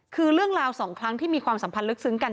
คือเรื่องราวสองครั้งที่มีความสัมพันธ์ลึกซึ้งกัน